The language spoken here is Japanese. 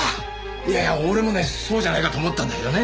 いやいや俺もねそうじゃないかと思ったんだけどね。